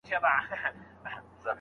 انتيک پلورونکي لوړ قيمت وويل.